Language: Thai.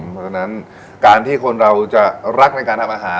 เพราะฉะนั้นการที่คนเราจะรักในการทำอาหาร